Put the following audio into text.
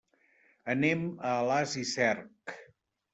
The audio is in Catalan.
Anem a Alàs i Cerc.